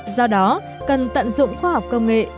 do đó cần tận dụng khoa học công nghệ